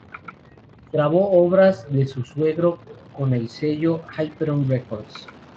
Grabó obras de su suegro con el sello Hyperion Records.